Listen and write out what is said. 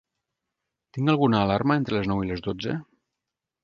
Tinc alguna alarma entre les nou i les dotze?